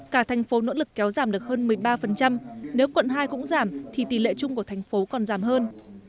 cả thành phố nỗ lực kéo giảm được hơn một mươi ba nếu quận hai cũng giảm thì tỷ lệ chung của thành phố còn giảm hơn